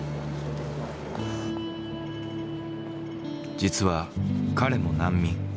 実は彼も難民。